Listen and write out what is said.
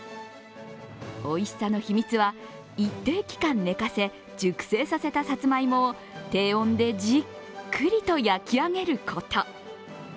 おいしさの秘密は、一定期間寝かせ熟成させたさつまいもを低温でじっくりと焼き上げること。